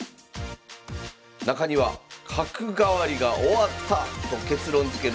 中には「角換わりが終わった」と結論づける将棋ソフトも。